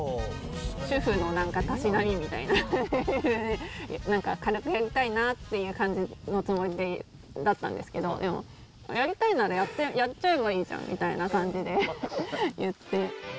主婦のたしなみみたいな、なんか、軽くやりたいなって感じのつもりだったんですけど、でも、やりたいならやっちゃえばいいじゃんみたいに言って。